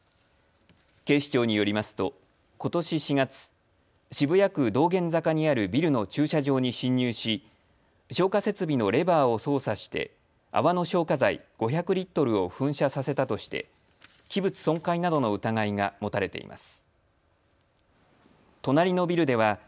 警視庁によりますとことし４月、渋谷区道玄坂にあるビルの駐車場に侵入し浄化設備のレバーを操作して泡の消火剤、５００リットルを噴射させたとして器物損壊などの疑いが持たれています。